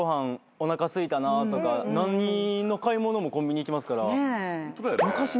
「おなかすいたな」とか何の買い物もコンビニ行きますから。